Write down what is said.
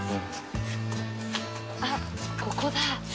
あっここだ。